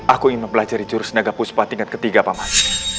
aku ingin mempelajari jurus naga puspa tingkat ketiga paman